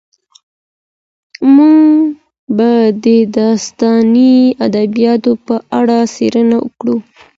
موږ به د داستاني ادبیاتو په اړه څېړنه وکړو.